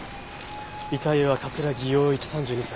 遺体は木陽一３２歳。